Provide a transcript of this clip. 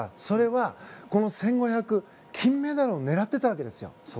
それは、この１５００ｍ金メダルを狙っていたわけですよ。